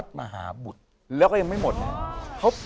เชิญครับ